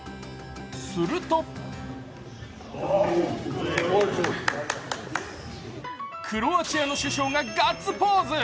するとクロアチアの首相がガッツポーズ。